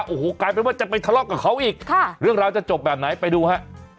โอ้โหน่าตกใจนะฮะ